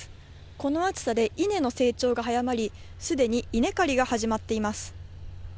この暑さで、稲の生長が早まり、すでに稲刈りが始まっています。